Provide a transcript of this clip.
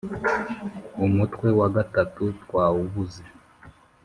umutwe wa gatatu twawubuze